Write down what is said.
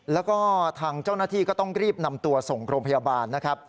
แล้วก็ทางเจ้าหน้าที่ก็ต้องรีบนำตัวส่งโรงพยาบาลนะครับ